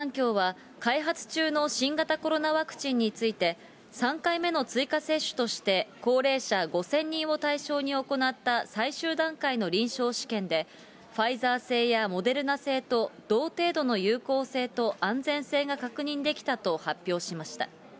第一三共は、開発中の新型コロナワクチンについて、３回目の追加接種として高齢者５０００人を対象に行った最終段階の臨床試験で、ファイザー製やモデルナ製と同程度の有効性と安全性が確認できたと発表しました。